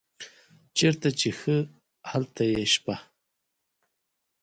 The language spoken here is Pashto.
چیرته چې ښه هلته یې شپه.